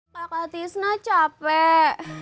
kakak tisna capek